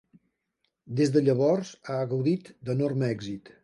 Des de llavors ha gaudit d'enorme èxit.